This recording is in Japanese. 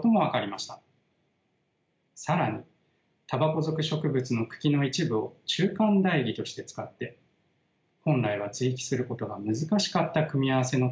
更にタバコ属植物の茎の一部を中間台木として使って本来は接ぎ木することが難しかった組み合わせの接ぎ木にも挑戦しました。